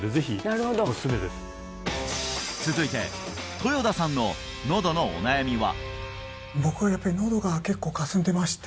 なるほど続いて豊田さんののどのお悩みは？